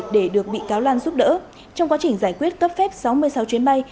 để được bị cáo lan giúp đỡ trong quá trình giải quyết cấp phép sáu mươi sáu chuyến bay